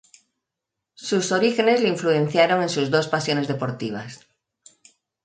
Sus orígenes le influenciaron en sus dos pasiones deportivas.